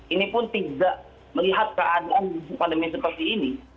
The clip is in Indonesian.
ini pun tidak melihat keadaan pandemi seperti ini